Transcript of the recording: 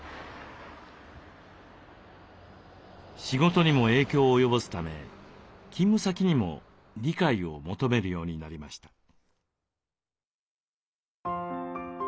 仕事にも影響を及ぼすため勤務先にも理解を求めるようになりました。